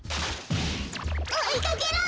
おいかけろ！